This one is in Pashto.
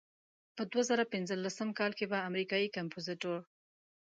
په دوه زره پنځلسم کال کې به امریکایي کمپوزیتور.